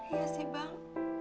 iya sih bang